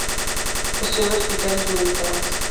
Gestiona hospitales militares.